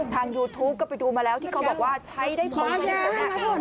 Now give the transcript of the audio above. ทางยูทูปก็ไปดูมาแล้วที่เขาบอกว่าใช้ได้ผล